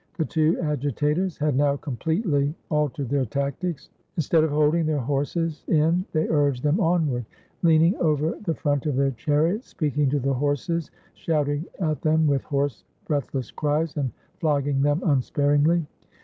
The two agita tores had now completely altered their tactics; instead of holding their horses in they urged them onward, leaning 504 THE WINNING OF THE FIRST MISSUS over the front of their chariots, speaking to the horses, shouting at them with hoarse, breathless cries, and flog ging them unsparingly.